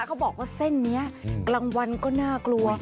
เขาบอกว่าเส้นนี้กลางวันก็น่ากลัว